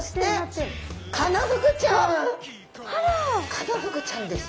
カナフグちゃんです。